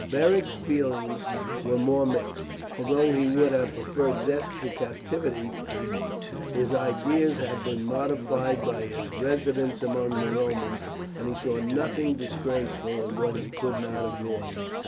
Beric's feelings were more mixed. Although he would have preferred death to captivity, his ideas had been much modified by his residence among the Romans, and he saw nothing disgraceful in what he could not avoid.